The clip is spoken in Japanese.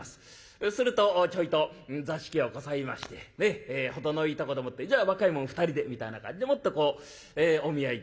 するとちょいと座敷をこさえまして程のいいとこでもって「じゃあ若い者２人で」みたいな感じでもってこうお見合い。